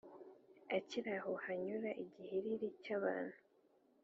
akiraho hanyura igihiriri cyabantu